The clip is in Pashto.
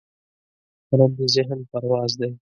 قلم د ذهن پرواز دی